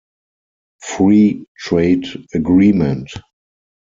Free Trade Agreement.